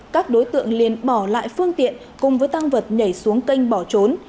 các đối tượng liền bỏ lại phương tiện cùng với tăng vật nhảy xuống kênh bỏ trốn